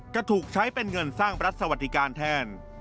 จะถูกใช้เป็นเงินสร้างรัฐสวัสดิการแทน